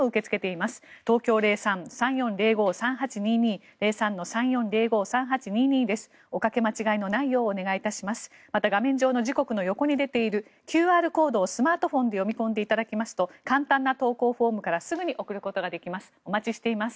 また画面上の時刻の横に出ているＱＲコードをスマートフォンで読み込んでいただきますと簡単な投稿フォームからすぐに送ることができます。